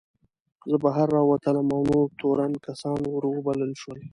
زه بهر راووتلم او نور تورن کسان ور وبلل شول.